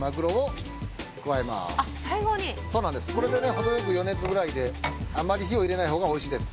程よく余熱ぐらいであんまり火を入れない方がおいしいです。